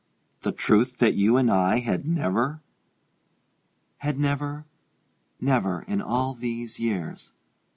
"The truth that you and I had never " "Had never never in all these years!